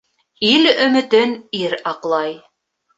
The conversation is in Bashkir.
Ил өмөтөн ир аҡлай.